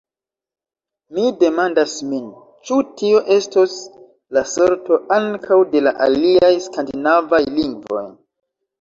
Mi demandas min, ĉu tio estos la sorto ankaŭ de la aliaj skandinavaj lingvoj.